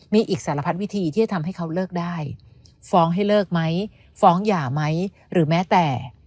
มีอีกสารพัดวิธีที่จะทำให้เขาเลิกได้ฟ้องให้เลิกไหมฟ้องหย่าไหมหรือแม้แต่